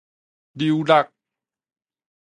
扭搦